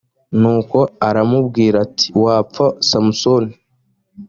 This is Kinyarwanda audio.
nuko aramubwira ati wapfa samusoni